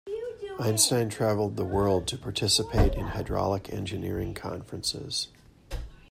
Einstein traveled the world to participate in hydraulic engineering conferences.